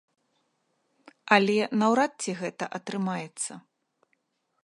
Але наўрад ці гэта атрымаецца.